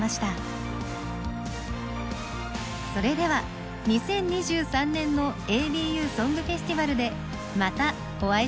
それでは２０２３年の「ＡＢＵソングフェスティバル」でまたお会いしましょう！